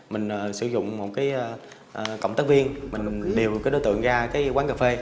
mình sử dụng một cộng tác viên mình điều đối tượng ra quán cà phê